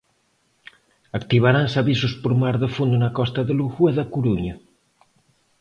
Activaranse avisos por mar de fondo na costa de Lugo e da Coruña.